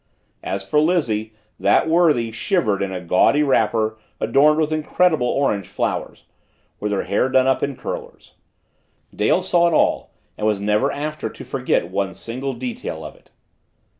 As for Lizzie, that worthy shivered in a gaudy wrapper adorned with incredible orange flowers, with her hair done up in curlers. Dale saw it all and was never after to forget one single detail of it.